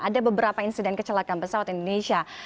ada beberapa insiden kecelakaan pesawat indonesia